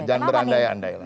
jangan berandai andai lah